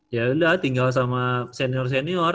ya udah tinggal sama senior senior